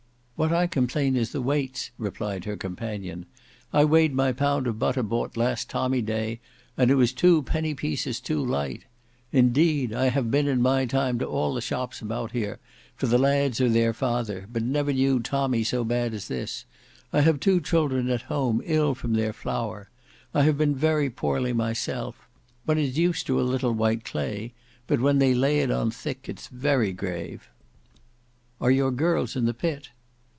"What I complain is the weights," replied her companion. "I weighed my pound of butter bought last tommy day, and it was two penny pieces too light. Indeed! I have been, in my time, to all the shops about here, for the lads or their father, but never knew tommy so bad as this. I have two children at home ill from their flour; I have been very poorly myself; one is used to a little white clay, but when they lay it on thick, it's very grave." "Are your girls in the pit?"